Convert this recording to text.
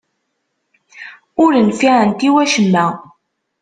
Ur nfiɛent i wacemma.